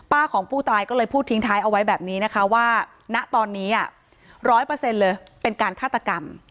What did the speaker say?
ของผู้ตายก็เลยพูดทิ้งท้ายเอาไว้แบบนี้นะคะว่าณตอนนี้๑๐๐เลยเป็นการฆาตกรรม